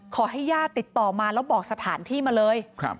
ขอให้ญาติติดต่อมาแล้วบอกสถานที่มาเลย